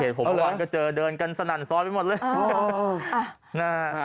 ผมเมื่อวานก็เจอเดินกันสนั่นซอยไปหมดเลย